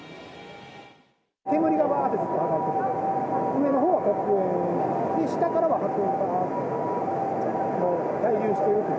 煙がばーっとずっと上がっていて、上のほうは黒煙で、下のほうは白煙がばーっと、滞留していた。